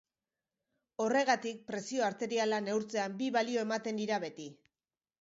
Horregatik, presio arteriala neurtzean, bi balio ematen dira beti.